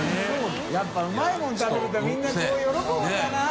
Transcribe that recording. やっぱうまいもん食べると澆鵑こう喜ぶんだな。ねぇ。